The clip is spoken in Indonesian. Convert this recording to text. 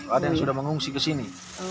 ada yang sudah mengungsi ke sini